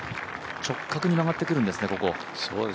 直角に曲がってくるんですね、ここ。